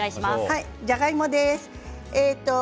じゃがいもです。